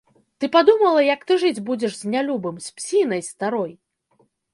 Ты падумала, як ты жыць будзеш з нялюбым, з псінай старой?